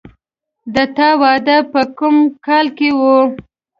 د تا واده به په کوم کال کې وي